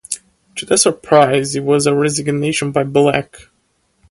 To their surprise, it was a resignation by Black.